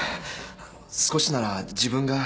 少しなら自分が。